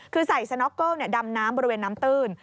คือใส่สน็อกเกิลดำน้ำบริเวณน้ำตื้น